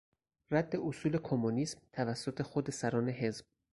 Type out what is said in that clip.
رد اصول کمونیسم توسط خود سران حزب